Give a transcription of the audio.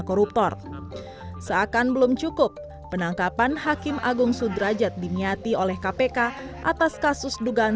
koruptor seakan belum cukup penangkapan hakim agung sudrajat dimiati oleh kpk atas kasus dugaan